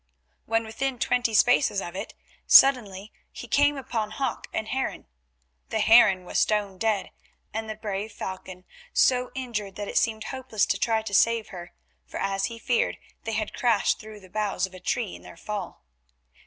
When within twenty paces of it, suddenly he came upon hawk and heron. The heron was stone dead, and the brave falcon so injured that it seemed hopeless to try to save her, for as he feared, they had crashed through the boughs of a tree in their fall.